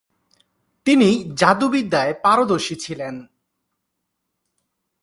তিনি যাদুবিদ্যায় পারদর্শী ছিলেন।